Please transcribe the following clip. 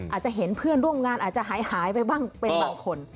อาจจะเห็นเพื่อนร่วมงานอาจจะหายไปบ้างเป็นบางคน